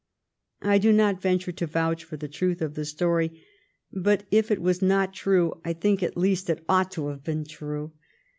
I do not venture to vouch for the truth of the story, but, if it was not true, I think, at least, it ought to have been true.